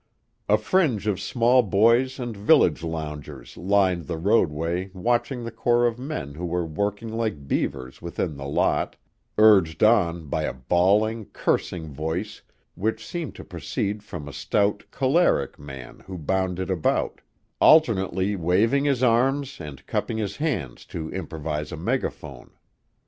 A fringe of small boys and village loungers lined the roadway watching the corps of men who were working like beavers within the lot, urged on by a bawling, cursing voice which seemed to proceed from a stout, choleric man who bounded about, alternately waving his arms and cupping his hands to improvise a megaphone.